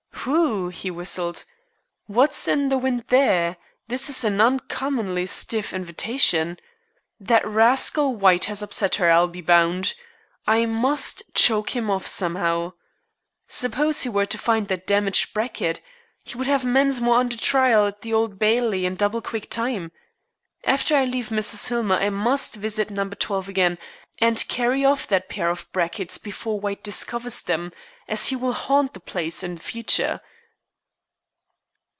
"Whew!" he whistled. "What's in the wind there? This is an uncommonly stiff invitation. That rascal White has upset her, I'll be bound. I must choke him off somehow. Suppose he were to find that damaged bracket! He would have Mensmore under trial at the Old Bailey in double quick time. After I leave Mrs. Hillmer I must visit No. 12 again, and carry off that pair of brackets before White discovers them, as he will haunt the place in future."